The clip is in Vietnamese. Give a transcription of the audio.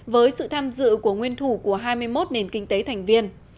với sự tham dự của nguyên thủ của hai mươi một nền kinh tế thành viên